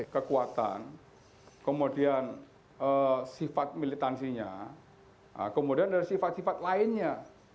kekuatan kemudian sifat militansinya kemudian dari sifat sifat lainnya